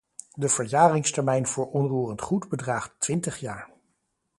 De verjaringstermijn voor onroerend goed bedraagt twintig jaar.